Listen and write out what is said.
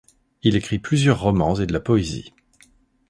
Il écrit plusieurs romans et de la poésie.